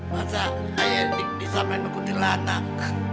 masa ayek disamain ke kuntilanak